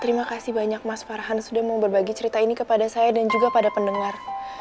terima kasih banyak mas farhan sudah mau berbagi cerita ini kepada saya dan juga pada pendengar